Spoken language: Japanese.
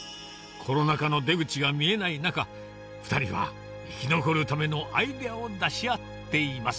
コロナ禍の出口が見えない中、２人は生き残るためのアイデアを出し合っています。